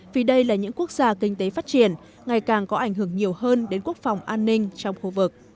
vì đây là những quốc gia kinh tế phát triển ngày càng có ảnh hưởng nhiều hơn đến quốc phòng an ninh trong khu vực